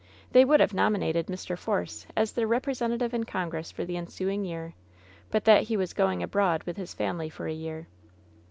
They would have nominated Mr. Force as their repre sentative in Congress for the ensuing year, but that he was going abroad with his family for a year.